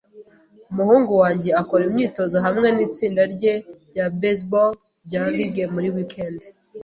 Umuhungu wanjye akora imyitozo hamwe nitsinda rye rya Baseball rya Ligue buri wikendi.